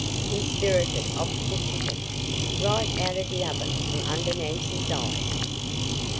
He's sperrited off de chicken. Right outen de oven from under Nancy's eyes."